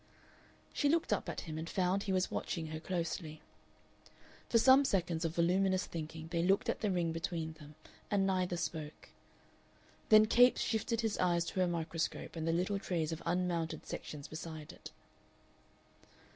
She looked up at him, and found he was watching her closely. For some seconds of voluminous thinking they looked at the ring between them, and neither spoke. Then Capes shifted his eyes to her microscope and the little trays of unmounted sections beside it.